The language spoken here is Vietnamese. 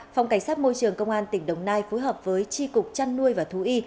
phòng cảnh sát môi trường công an tỉnh đồng nai phối hợp với tri cục chăn nuôi và thú y